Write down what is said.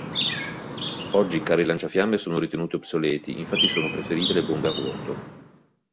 Oggi i carri lanciafiamme sono ritenuti obsoleti, infatti sono preferite le bombe a vuoto.